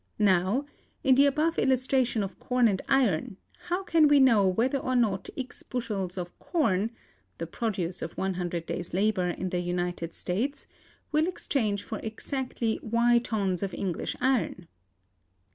Now, in the above illustration of corn and iron, how can we know whether or not x bushels of corn (the produce of 100 days' labor in the United States) will exchange for exactly y tons of English iron?